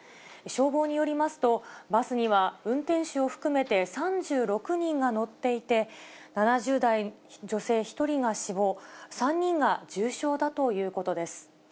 消防によりますと、バスには運転手を含めて３６人が乗っていて、７０代の女性１人が死亡、３人が重傷だということです。